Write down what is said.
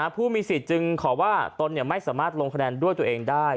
ผู้มีสิทธิ์จึงขอว่าตนไม่สามารถลงคะแนนด้วยตัวเองได้